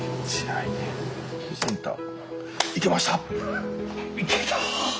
いけた。